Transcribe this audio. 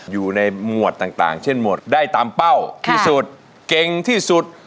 อยู่ในหมวดต่างเช่นหมวดได้ตามเป้าที่สุดเก่งที่สุด